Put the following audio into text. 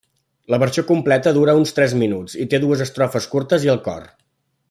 La versió completa dura uns tres minuts i té dues estrofes curtes i el cor.